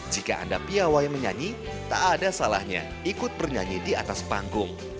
jika anda piawai menyanyi tak ada salahnya ikut bernyanyi di atas panggung